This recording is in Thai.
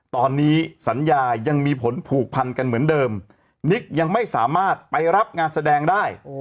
ตอนนี้สัญญายังมีผลผูกพันกันเหมือนเดิมนิกยังไม่สามารถไปรับงานแสดงได้